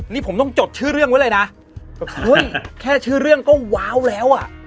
นี่ผมต้องจดชื่อเรื่องไว้เลยนะแค่ชื่อเรื่องก็ว้าวแล้วอ่ะ